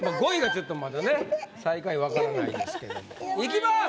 ５位がちょっとまだね最下位分からないですけど。